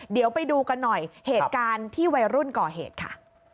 เดี๋ยวไปดูกันหน่อยเหตุการณ์ที่วัยรุ่นก่อเหตุค่ะ